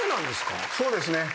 そうですね。